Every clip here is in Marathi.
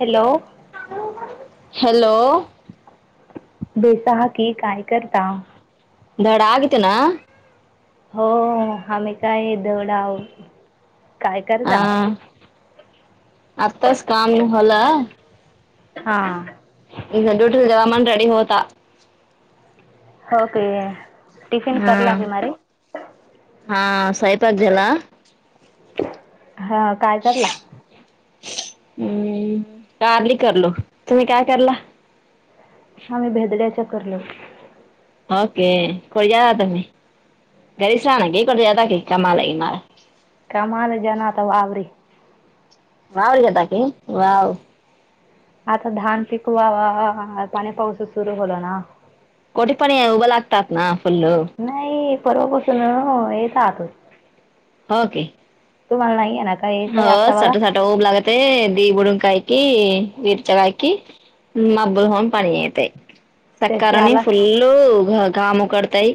हॅलो [inaudible] हॅलो बेसा की काय करता दड आगितेना हो आ् काय दौडाव काय करता आत्ताच काम होला हा ड्युटीचा जेव मण रेडी होता होक टिफिन हा करला की मारी हा सईपगजला हा काय करला हम्म कारली करलो तुम्ही काय करला आम्ही भेदड्याच्याकरलो ओके कड ज तुम्ही घरी सह ना ग कठ जदा क कमालाय मार कमाले जना त आवरे वाव गतााकी वाव आता धान पिकवावा पाणी पावस सुरू होल ना. कोटी पण उभं लागतात ना फुल नाही परवापासून येत आहत. ह [inaudible] हो काय? तुम्हाला नाही. ना काय काय हो आत्ता बघा चट चट ऊब लागते दीस बुडुन काय, की विचराय की माप भरून पाणी येतय. त्यासे सकाळतरनं आलास फुल्लो, घाम उकडतय.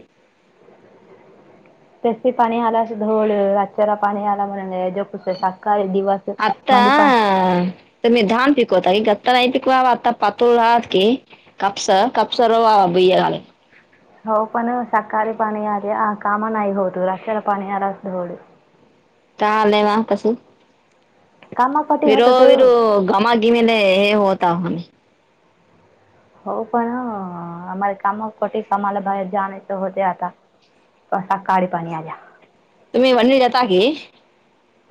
जास्ती पाणी आला धड रातच्याला पाणी आला कणी मग झोप येत्या सारखं. आत्त्या त्यानी धान पिकवत्यात नही का? आता नाही पीकवावा आता पातूर घातलं की कापस कपसा र बाबा बियाणे. हो पण सकाळी पाणी आल आ काम नाही होत रातच्याला पाणी आला की बर. का आलंय मा पसी. कामापटी होतं वरोवरो घमाघूगीने हे होता हम. हो पण आम्हाला काम कूटे कामाला बाहेर जाण्याचं होते आता. बा साकाळी पाणी आला. तुम्ही वनिर तागी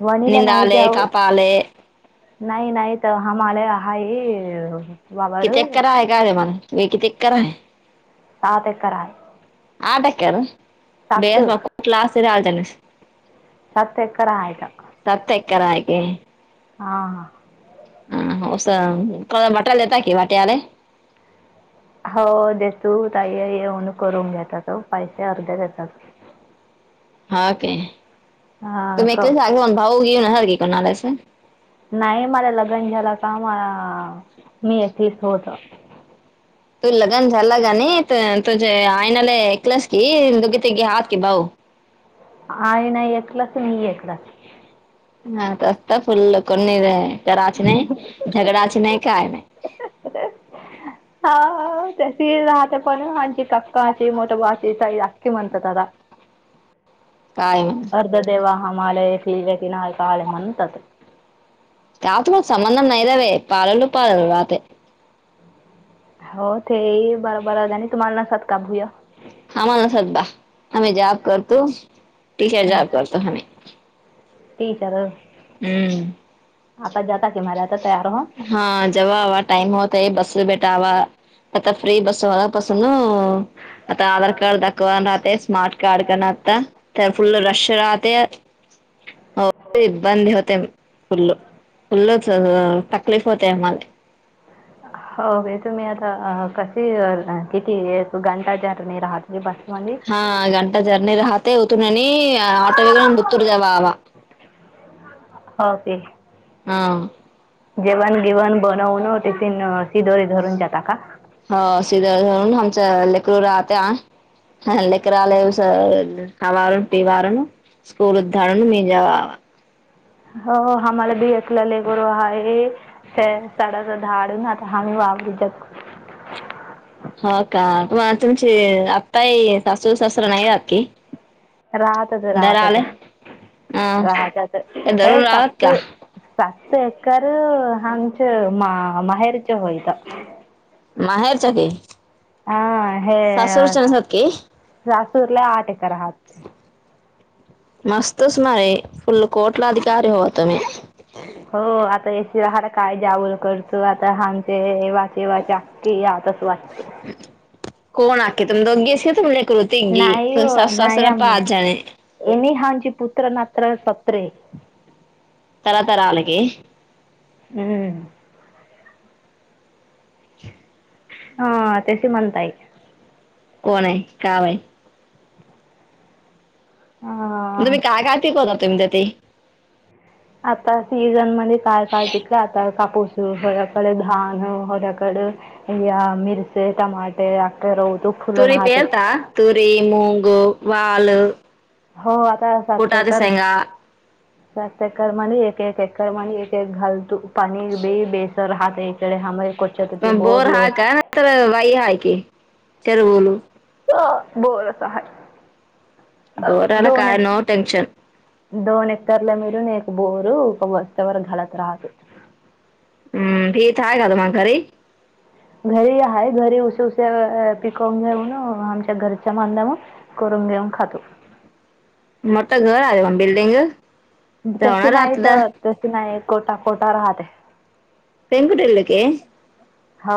वणीला नाही निंदाले, जाऊ कापाले. नाही नाही त हमाले हाई किती एकर हाये काय ते मंग मी किती एकर हाये. सात एकर हाय. आठ एकर, बेस मग [unintelligible] सात एकर आहे तर सात एकरा आहेे के?. हा हा. ह अस बट्यालेता का वाट्याले. हो देतू ताईये येऊन करून जातात पैसे आर्धे देतात. हा की हां तुम्ही ते क जागी अन भाव घेवून कोणाला अस? हा मी येथेच सोध. ते लगन झाला कणी ते तुझे हायनले एकलच की तिघे हात की भाऊ. हायन एकलाच मी एकलाच. हा तच त फुल्ल कोणी कराच नाही झगडाच नाही. काय नाही. ते कणी हांची कक्काची मोठभवाची त चलाखी म्हणती त बा. काय नाही अर्ध देेवा हा माल की व त ना काल म्हणतात. आपल संबंध नाही बे पायाळू पायाळू राहते. हो ते बरोबर आणि तुम्हाला नसत का भूया. हामाला असतात बा हामी जाॅब करतो टीचर जाॅब करतो हमी. टीचर. हम्म. आता जाताकी मलात. हा जवा आवा टाइम होता बस बे लेट वा आता फ्री बसू बसून, आता आधार कार्ड दाखवाना रातेस. स्मार्ट कार्ड कण आता तर फुल्ल रशी राहतेत. हो ते बंद होते फुल् फुल्लचे ह तकलीफ होते आम्हाला. हो का तुम्ही आता कशी किती ये तू घंटा जर नाही राहत बस मध्ये ह हा घंटा जर्नी राहते उतून आणि ऑटो वगून बीतूर जावा आवा. हो तेेच. हा. जेवण गेवण बनवून टिफिन शिधोरी घरून देता का? हो शिदोरी घेवून आमच्या लेकरू बाळात हा लेकरालेस अवारून पिवारण स्कूल धाडून मी द्यावा हो आम्हाला भीयलाले गर हा आहे त्या साडा धाडून आता ह् वावूच्यात हो का मग तुमची आताही सासू सासूरा नाही आकी राहतच राहतच अ राहच ते हे दररोज राहत का साते तेकर हचे मा माहेरचे होयता माहेरचाकीी हा सासूर चनसकीे रासूरला आठ एका राहात मस्त सुमारे फुल कोर्टला अधिकारी हो तुमही हो आता एसीला हला काय जाव करतो आता आमचे वाचे अखे या तस वाटत कोण आके तुम दो अघी अस तुम ललेक रुतीीघ तुम सस ससरा पा जाणे एने हांची पुत्र नात सते तरातरा आलाग हम्म [inaudible] हा त्याशी म्हणताई कोण आहे कावाय म्हण तु हा मी काय काात को ना तुमच्या ते आता सीझन मध्ये काय काय तिथे आता कापूसकडे धान होद्याकड या मिरचे टमाटे आ र तुरी पेरता तुरी मूंग वाल हो आता कुटाच्या साततकर शेंगा सातकर म्हणे एक एक एड म एक एक घालतू पनीर बी बेसर राहात इकडे हमरे कोच्यात ते बोर बोरलो हाका न तरर वई हाकी चरवल अ बोर हाय बोरला दोन काय एक नो टेनशन दोन हेक्टरला मिेरून एक बोर बस्त्यावर घाडत राहत हम्म फीत आहेय का त माग घरी घरी आहेा घरी उे उे पिकून घेऊन आमच्या घरच्या माांधा म को तम खाातो बिल्डीिंग तसे नाही तर तस नाही कोटा कोटा राहते पकुटल क हो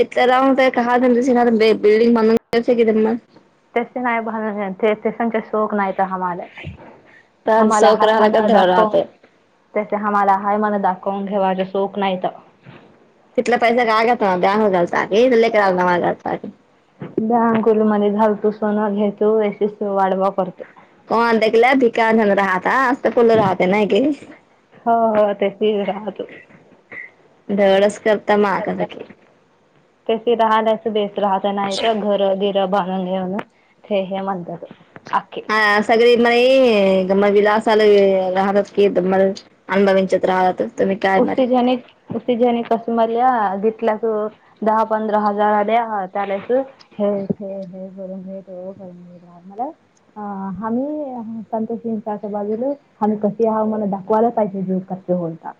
ते का त्यांस ना बिल्डिंग बनूनयचं कि त्यां म तसे नाय ते तेसख शोक नाहीय का हमला तर हम्हाला सोक हाय राहिला मन का धड दाखवून राहते त्यासे हम्हाला हाय मन दाखवून घेवा सोख नाहीयता तिथला पैसा काय का त ब्यागा ांकुली मध्ये घालतोस सोन घेतो यच वाढभव करतो कण देखील भिकाझन रा हात लं राहते ना का हो हो तशीच राहतो. धोळच करता मा कास क कशी राहलास बेस राहत नाही तर घर गिर बां अंगे म्हंतत हा सगळी म त विलासाला राहतात की तमर उतझने उिझ्याने कसमल्या घेतला त दहा पंधरा हजार द्या त्यालास हे करून हे करून मला अ हम्ही संतोषींच्या बाजूला आम्ही कशी आह मला दाखवायला पाहिजे जो खर्च होलता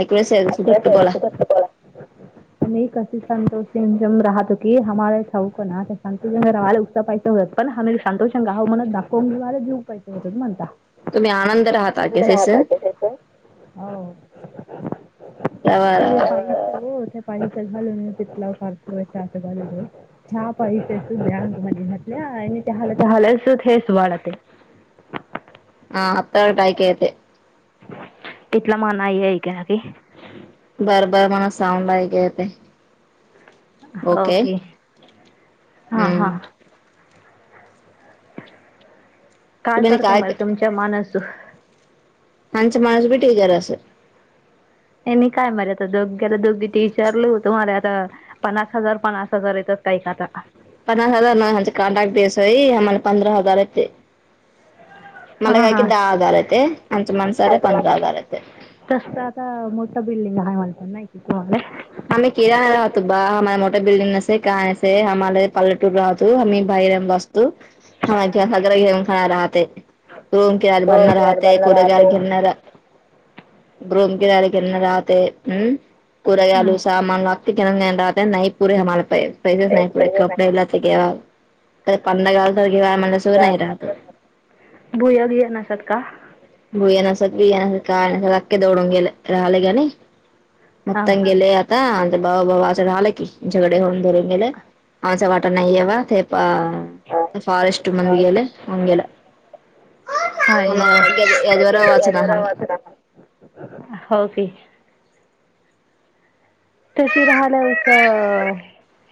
ऐकूच घट्ट बोला कसे संतोष जम राहत हो कीमे ना संतोषे उत्सा पा पण हम संतोष अंगाह मनत दाखवेे जीव पायचं होत म्हणता तुमी आनंद राह राहत त्याच रवा रवा तेथे पाणी च हल पितितला खच व ब ह्या पैसे ब घातल्या आणिहाहाच वा खात ह हत टय कायेत तेथला मानयय क बार बार मला साऊंड लाय ग्या ते ओके हां हां हम्म काय करते मर तुमच्या मानास आचा माणूस भीठचर असं आणिनी काय मर आता दोघ्याला दोघी ते विचारल होतु मला आता पन्नास हजार पननास हजार येत काय काात पन्नास हजार न कॉन्ट्रॅक्ट बेसईला पंधरा हजार येते मला हां काय क हां दहा हजार येत आंच माणसाला पंधरा हजार येत तस आता मोठं बिल्डिंग आहे म्हणतात नाही तुम्हाला हमे केरा हलाहतो बा आम मोठा बिल्डिंग नस काय आम्हाला पल्ल टूर राहतोम्ही बाहेर बसतो तू हखसागरा घेून ख राह ते रूम केिार हो बनणार ते राहते अडबांना कुडगार राहते घेरणार ग्रूम किराला कि नाही राहते हम्म कुरा आलू हं. सामान लागत के राह नाहीपूर हमला पैसे ना ते नाहीपूर पैसे कपडे ए त कावा पंत कालतग काय मला सुख नाही रा भू घ आहे नासाटका सग काय अक्खे दौडून गेले राहिले गणी हां मक्तंग गेले आता बा बावा असं झालं की झगडे होऊन धरून गेलं आमचां वाटा नाहीे बा ते फारेस्ट मण गले हेला अयो वाचना आम्ही हो का तशी राहालां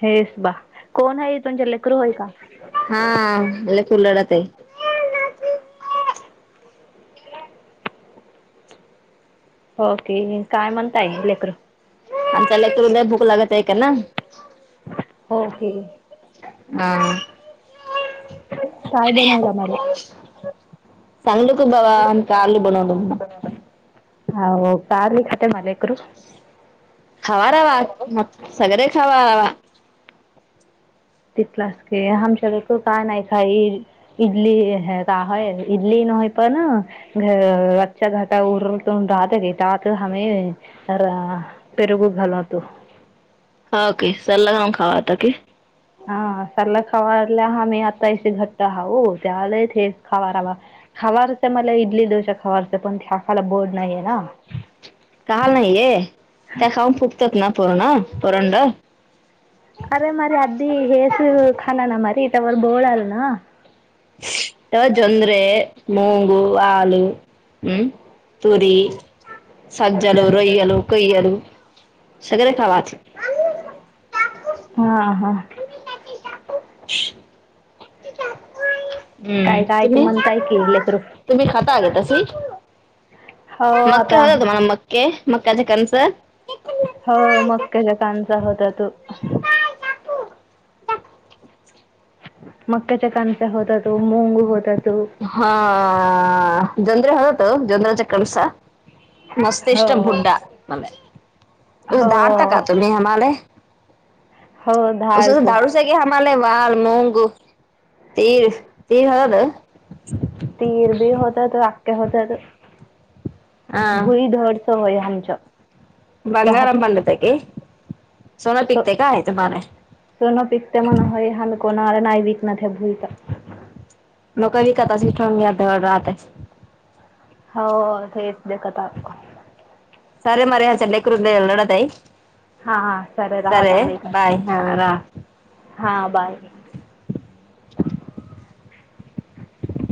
हेस बा कोण आहे तुमच्या लेकरू आहे का हा आ फुलडा तेय ते हो कि काय म्हणताय लेकर अंतला तुरंग भूक लागत आहे ऐ का ना होक हा काय बनवलं मला चांगल का बाबा आणि का आल बनवलं हो कारली खते म लेकरू खावाारवा म सगळे खावाारवा तिथलास हमश काय नाही का इडली ह का हय इडली नय पण घ अ घट ता उरल तो राहत गतात हम पेरगू घालोतू ह ओके सल्लागाम खावाताक हा सल्ला खावाला ह मी आता इशी घट्ट हा हो त्याला हे खावावा खारचय मला इडली दोश खवारचय पणाकााला बोर्ड नाहीय काल नाहीये त्या खाऊन फुकतात ना परोणा परणडा अरे मर आधदी हेच खाना ना मारी त्यावर बोळ आलं ना अ जंद्रे मंगु हल हम्म तुरी सज्जल रय्यल कोय्यल सगर खवाच हा हा [inaudible] काय हम्म काय की तुम्ही म्हणताय की लेकरू तुम्ही खात आ गताशी हो मक आता होत मला मक्के मकाच्या कनस हो मग त्याच्या कानचा होता तू मकाच्या कानच्या होतात मोंगू होतात हा जन्रे हगत जन्रच्या कणस हो मस्तिष्क भुड्डा हो धारता का तुम्ही हमे हो धाड सर तू दधारू सगे समलेे वल मगगु तीर तीर हा ना तीर भी होत त आक्े होते त हा भुईधड स होय हमच्या त्या बंगाराम पंडत की सोनं पिकते काय तुम्हाला स्वण पितते मना आहे हल कोणाला नाही विकणार ह भुईता लक विक तच ठून मी आ राहते हो तेच देखत आहो. सर मर सडे्या करल नोड तई हां हां सर बाय हारा